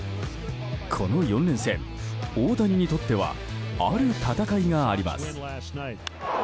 この４連戦、大谷にとってはある戦いがあります。